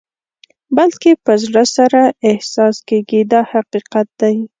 بلکې په زړه سره احساس کېږي دا حقیقت دی.